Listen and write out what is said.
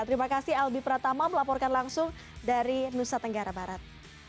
terima kasih albi pratama melaporkan langsung dari nusa tenggara barat